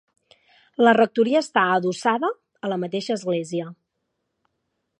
La rectoria està adossada a la mateixa església.